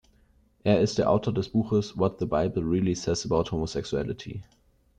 Er ist der Autor des Buches "What the Bible Really Says About Homosexuality".